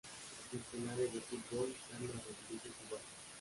Diccionario del fútbol por Carlos Rodríguez Duval.